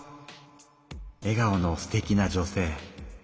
えがおのすてきな女性。